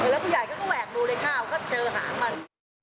แล้วผู้ใหญ่ก็แหวกดูในข้าวก็เจอหางมัน